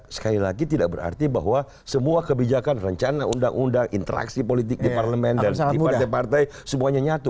sekali lagi tidak berarti bahwa semua kebijakan rencana undang undang interaksi politik di parlemen dan di partai partai semuanya nyatu